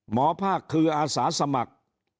หมอภาคคืออาสาสมัคร